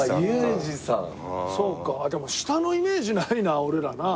そうかでも下のイメージないな俺らなあ。